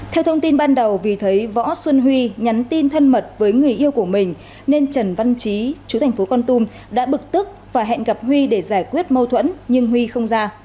theo thông tin ban đầu vì thấy võ xuân huy nhắn tin thân mật với người yêu của mình nên trần văn trí chú thành phố con tum đã bực tức và hẹn gặp huy để giải quyết mâu thuẫn nhưng huy không ra